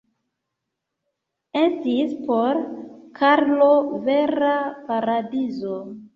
Estis por Karlo vera paradizo.